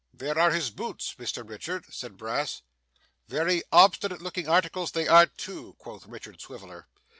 'There are his boots, Mr Richard!' said Brass. 'Very obstinate looking articles they are too,' quoth Richard Swiveller.